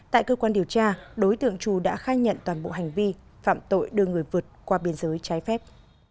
tại cơ quan điều tra đối tượng trù đã khai nhận toàn bộ hành vi phạm tội đưa người vượt qua biên giới trái phép